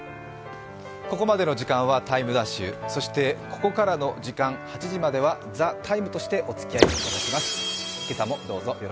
ここまでの時間は「ＴＩＭＥ’」、そしてここからの時間、８時までは「ＴＨＥＴＩＭＥ，」としておつきあいいただきます。